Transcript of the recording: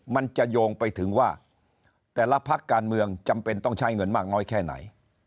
มันจะโยงไปถึงว่าแต่ละพักการเมืองจำเป็นต้องใช้เงินมากน้อยแค่ไหน